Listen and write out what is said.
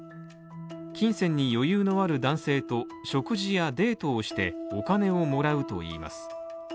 金銭に余裕のある男性と食事やデートをしてお金をもらうといいます。